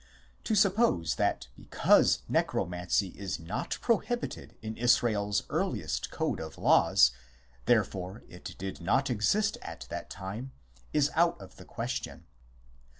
To suppose that because Necromancy is not prohibited in Israel s earliest Code of Laws therefore it did not exist at that time is out of the question.